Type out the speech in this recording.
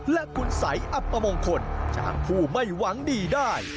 และคุณสัยอัปมงคลจากผู้ไม่หวังดีได้